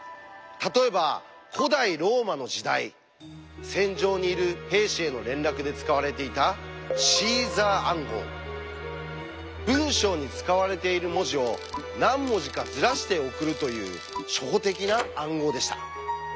例えば古代ローマの時代戦場にいる兵士への連絡で使われていた文章に使われている文字を何文字かずらして送るという初歩的な暗号でした。